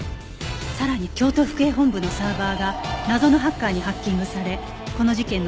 さらに京都府警本部のサーバーが謎のハッカーにハッキングされこの事件の情報が流出